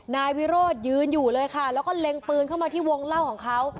นายวิโรธยืนอยู่เลยค่ะแล้วก็เล็งปืนเข้ามาที่วงเล่าของเขา